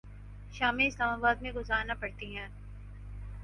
شامیں Islamabad میں گزارنا پڑتی ہیں۔